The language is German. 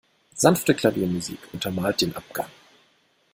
Sanfte Klaviermusik untermalt den Abgang.